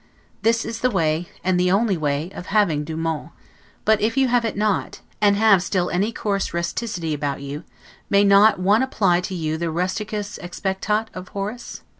This is the way, and the only way, of having 'du monde', but if you have it not, and have still any coarse rusticity about you, may not one apply to you the 'rusticus expectat' of Horace?